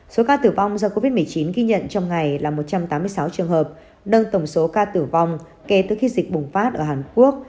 số ca tử vong do covid một mươi chín ghi nhận trong ngày là một trăm tám mươi sáu trường hợp nâng tổng số ca tử vong kể từ khi dịch bùng phát ở hàn quốc